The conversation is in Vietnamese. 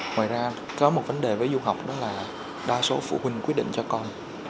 ngoài ra có một vấn đề với du học đó là đa số phụ huynh quyết định cho con